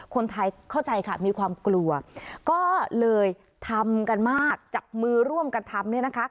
คนไทยเข้าใจค่ะมีความกลัวก็เลยทำกันมากจับมือร่วมกันทำเนี่ยนะคะ